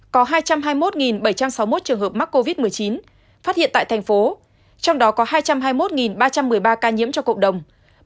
có hai trăm hai mươi một bảy trăm sáu mươi một trường hợp mắc covid một mươi chín phát hiện tại thành phố trong đó có hai trăm hai mươi một ba trăm một mươi ba ca nhiễm cho cộng đồng